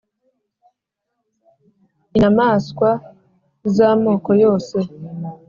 inyamaswa z'amoko yose :